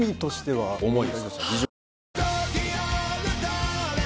はい！